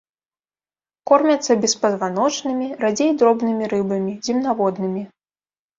Кормяцца беспазваночнымі, радзей дробнымі рыбамі, земнаводнымі.